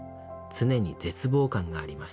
常に絶望感があります」。